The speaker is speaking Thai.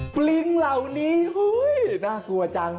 ปลิงเหล่านี้น่ากลัวจัง